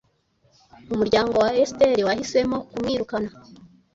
Umuryango wa Esiteri wahisemo kumwirukana